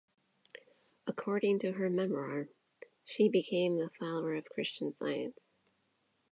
According to her memoir, she became a follower of Christian Science.